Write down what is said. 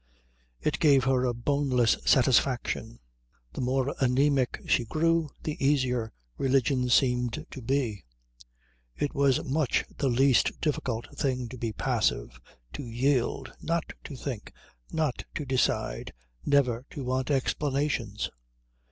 It gave her a boneless satisfaction. The more anæmic she grew the easier religion seemed to be. It was much the least difficult thing to be passive, to yield, not to think, not to decide, never to want explanations.